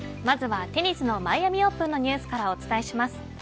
まずはテニスのマイアミオープンのニュースからお伝えします。